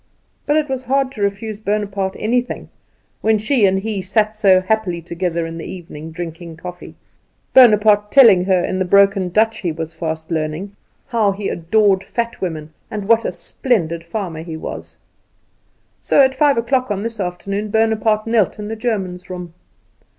But it was hard to refuse Bonaparte anything when she and he sat so happily together in the evening drinking coffee, Bonaparte telling her in the broken Dutch he was fast learning how he adored fat women, and what a splendid farmer he was. So at five o'clock on this afternoon Bonaparte knelt in the German's room.